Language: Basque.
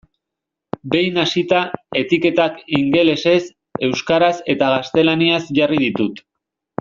Behin hasita, etiketak ingelesez, euskaraz eta gaztelaniaz jarri ditut.